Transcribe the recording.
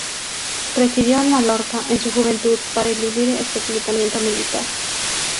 Residió en Mallorca en su juventud para eludir el reclutamiento militar.